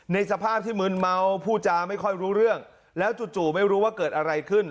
สภาพที่มืนเมาผู้จาไม่ค่อยรู้เรื่องแล้วจู่ไม่รู้ว่าเกิดอะไรขึ้น